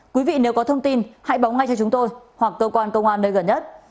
quý vị nếu có thông tin hãy báo ngay cho chúng tôi hoặc cơ quan công an nơi gần nhất